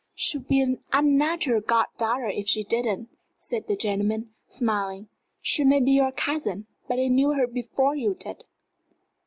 "She would be an unnatural goddaughter if she didn't," said that gentleman, smiling. "She may be your cousin, but I knew her before you did."